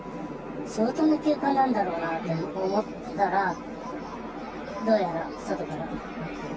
相当な急患なんだろうなと思ったら、どうやら外から。